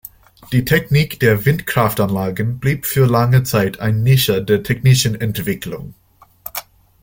Die Technik der Windkraftanlagen blieb für lange Zeit eine Nische der technischen Entwicklung.